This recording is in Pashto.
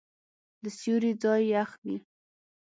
د سیوري ځای یخ وي.